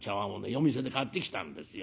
夜店で買ってきたんですよ。